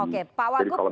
oke pak wagup